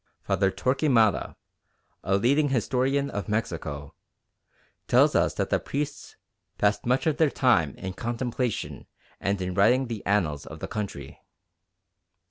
Father Torquemada, a leading historian of Mexico, tells us that the priests "passed much of their time in contemplation and in writing the annals of the country."